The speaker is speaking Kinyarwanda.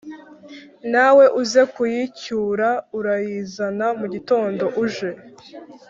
nawe uze kuyicyura urayizana mugitondo uje